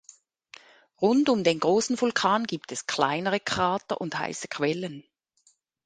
Rund um den großen Vulkan gibt es kleinere Krater und heiße Quellen.